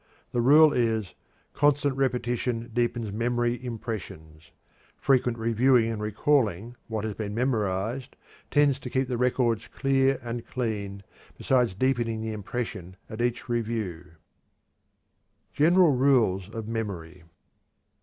The rule is: _Constant repetition deepens memory impressions; frequent reviewing and recalling what has been memorized tends to keep the records clear and clean, beside deepening the impression at each review_. GENERAL RULES OF MEMORY.